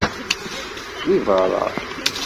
Di beṛṛa.